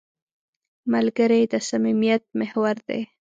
ملګری د صمیمیت محور دی